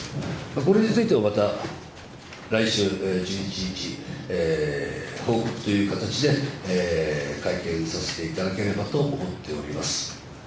これについてもまた来週１１日、報告という形で会見させていただければと思っております。